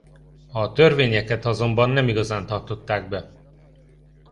A törvényeket azonban nem igazán tartották be.